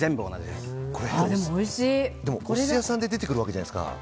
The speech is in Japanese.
でもこれ、お寿司屋さんで出てくるわけじゃないですか。